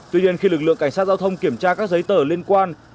tuy nhiên khi lực lượng cảnh sát giao thông kiểm tra các giấy tờ liên quan